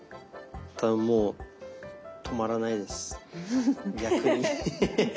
ただもう止まらないです逆に。